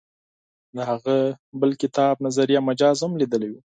د هغه بل کتاب نظریه مجاز هم لیدلی و.